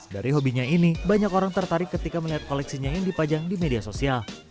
dari hobinya ini banyak orang tertarik ketika melihat koleksinya yang dipajang di media sosial